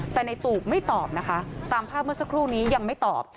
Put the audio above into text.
แต่ในตูบไม่ตอบนะคะตามภาพเมื่อสักครู่นี้ยังไม่ตอบ